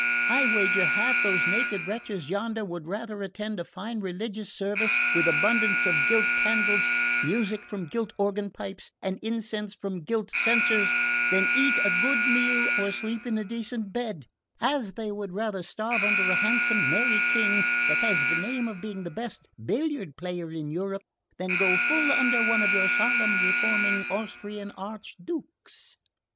I wager half those naked wretches yonder would rather attend a fine religious service, with abundance of gilt candles, music from gilt organ pipes, and incense from gilt censers, than eat a good meal or sleep in a decent bed; as they would rather starve under a handsome merry King that has the name of being the best billiard player in Europe than go full under one of your solemn reforming Austrian Archdukes!"